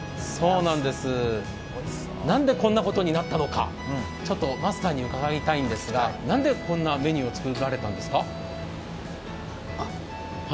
なんでこんなことになったのかちょっとマスターに伺いたいんですが、何でこんなメニューを作られたんですか？